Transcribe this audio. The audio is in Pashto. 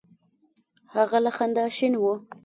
هغه له خندا شین شو: